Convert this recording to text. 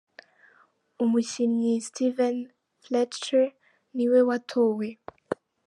Umukinnyi Steven Fletcher ni we watowe.